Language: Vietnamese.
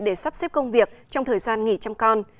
để sắp xếp công việc trong thời gian nghỉ chăm con